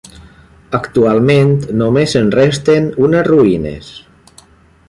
Actualment només en resten unes ruïnes.